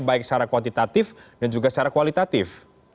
baik secara kuantitatif dan juga secara kualitatif